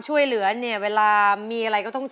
ใบเตยเลือกใช้ได้๓แผ่นป้ายตลอดทั้งการแข่งขัน